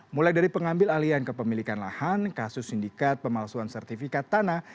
mulai dari pengambil alian kepemilikan lahan kasus sindikat pemalsuan sertifikat tanah